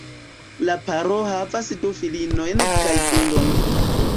La paro havas du filinojn kaj filon.